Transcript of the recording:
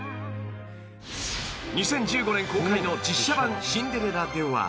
［２０１５年公開の実写版『シンデレラ』では］